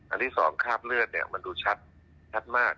ที่สองคราบเลือดมันดูชัดมาก